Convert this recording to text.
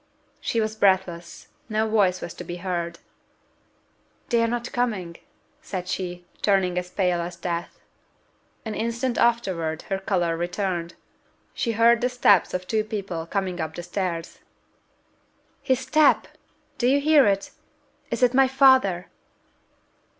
She was breathless no voice was to be heard: "They are not coming," said she, turning as pale as death. An instant afterwards her colour returned she heard the steps of two people coming up the stairs. "His step! Do you hear it? Is it my father?"